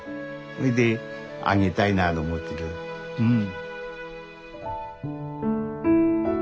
そいであげたいなと思ってるうん。